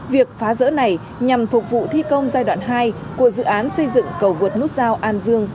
việc phá rỡ này nhằm phục vụ thi công giai đoạn hai của dự án xây dựng cầu vượt nút giao an dương